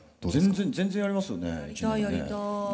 全然全然やりますよね。